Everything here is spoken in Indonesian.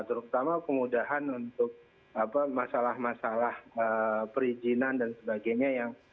terutama kemudahan untuk masalah masalah perizinan dan sebagainya